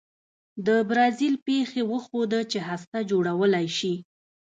د برازیل پېښې وښوده چې هسته جوړولای شي.